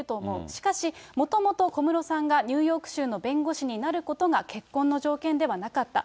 しかし、もともと小室さんがニューヨーク州の弁護士になることが結婚の条件ではなかった。